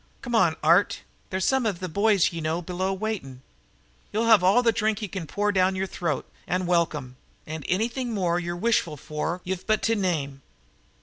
Come on, Art. There's some av the boys ye know below waitin'. Ye'll have all the dhrink ye can pour down your throat, and welcome; and anything more you're wishful for ye've but to name.